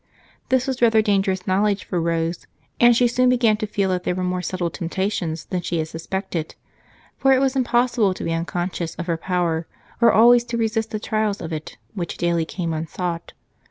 This was rather dangerous knowledge for Rose, and she soon began to feel that there were more subtle temptations than she had expected, for it was impossible to be unconscious of her power, or always to resist the trials of it which daily came unsought.